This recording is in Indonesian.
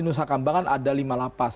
rusakambangan ada lima lapas